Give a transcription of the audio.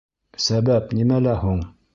Сәбәп нимәлә һуң?